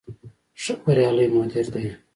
ښه بریالی مدیر دی.